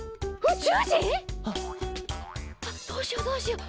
あっどうしようどうしよう！